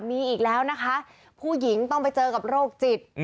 มีอีกแล้วนะคะผู้หญิงต้องไปเจอกับโรคจิต